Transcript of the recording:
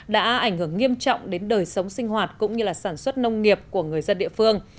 đã ảnh hưởng nghiêm trọng đến đời sống sinh hoạt cũng như sản xuất nông nghiệp của người dân địa phương